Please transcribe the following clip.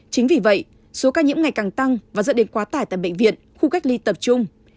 chính vì vậy số ca nhiễm ngày càng tăng và dẫn đến quá tải tại bệnh viện khu cách ly tập trung